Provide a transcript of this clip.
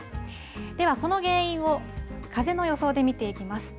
では、この原因を風の予想で見ていきます。